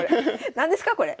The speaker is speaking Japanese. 何ですかこれ。